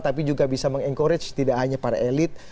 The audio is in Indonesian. tapi juga bisa mengencourage tidak hanya para elit